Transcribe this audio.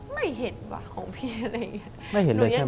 ไม่เห็นบอกว่าช่างพีมเป็นอะไรไม่เห็นเลย